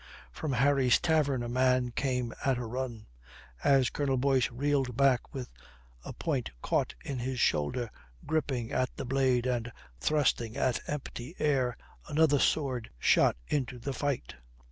From Harry's tavern a man came at a run. As Colonel Boyce reeled back with a point caught in his shoulder, gripping at the blade and thrusting at empty air, another sword shot into the fight.